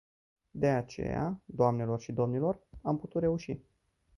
De aceea, doamnelor și domnilor, am putut reuși.